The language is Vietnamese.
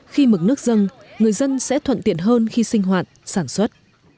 khi mực nước dâng người dân sẽ thuận tiện hơn khi sinh hoạt sản xuất